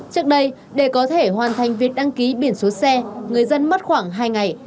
trước đây để có thể hoàn thành việc đăng ký biển số xe người dân mất khoảng hai ngày